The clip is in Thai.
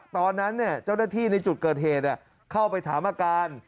ตอนนั้นเจ้าหน้าที่ในจุดเกิดเหตุเข้าไปถามอาการ